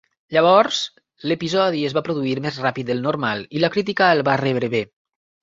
Llavors, l'episodi es va produir més ràpid del normal i la crítica el va rebre bé.